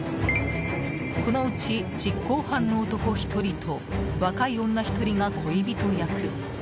このうち実行犯の男１人と若い女１人が恋人役。